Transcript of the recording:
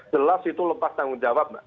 jelas itu lepas tanggung jawab mbak